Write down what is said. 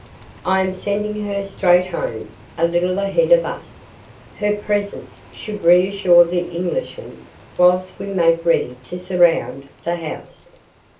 "I am sending her straight home, a little ahead of us. Her presence should reassure the Englishman whilst we make ready to surround the house.